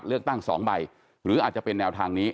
เลือกตั้ง๒ใบหรืออาจจะเป็นแนวทางนี้